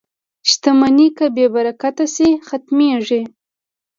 • شتمني که بې برکته شي، ختمېږي.